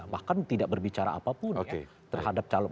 bahkan tidak berbicara apapun ya terhadap calon